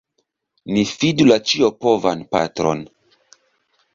Ni fidu la Ĉiopovan Patron!